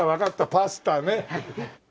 パスタね。